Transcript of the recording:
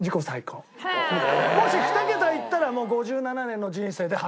もし２桁いったらもう５７年の人生で初。